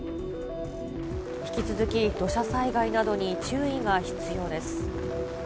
引き続き、土砂災害などに注意が必要です。